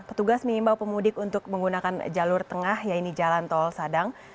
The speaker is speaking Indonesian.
petugas mengimbau pemudik untuk menggunakan jalur tengah yaitu jalan tol sadang